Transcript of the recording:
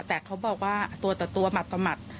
แต่เขาบอกว่าตัวต่อตัวหมัดต่อหมัด